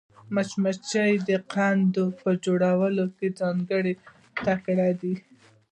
مچمچۍ د کندو په جوړولو کې ځانګړې تکړه ده